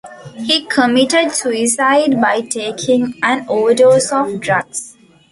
He committed suicide by taking an overdose of drugs.